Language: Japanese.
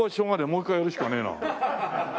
もう一回やるしかねえな。